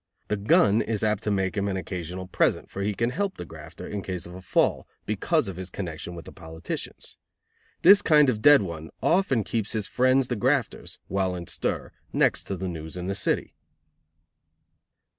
The gun is apt to make him an occasional present, for he can help the grafter, in case of a fall, because of his connection with the politicians. This kind of "dead one" often keeps his friends the grafters, while in stir, next to the news in the city.